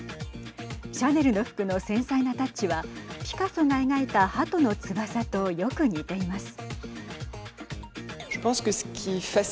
シャネルの服の繊細なタッチはピカソが描いたはとの翼とよく似ています。